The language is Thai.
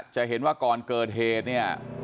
จะเห็นว่าก่อนเกิดเหตุเนี่ย